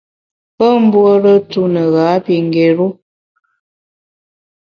Pe mbuore tu ne gha pi ngéru.